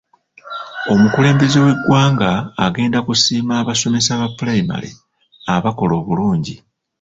Omukulembeze w'eggwanga agenda kusiima abasomesa ba pulayimale abakola obulungi.